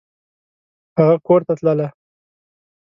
هغه کورته تلله !